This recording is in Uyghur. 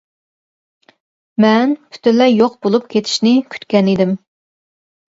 مەن پۈتۈنلەي يوق بولۇپ كېتىشنى كۈتكەن ئىدىم.